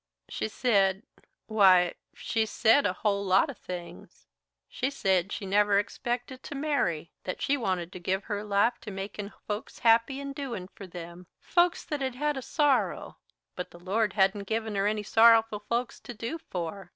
"She said why, she said a whole lot of things. She said she never expected to marry; that she wanted to give her life to makin' folks happy and doin' for them, folks that had a sorrow but the Lord hadn't given her any sorrowful folks to do for.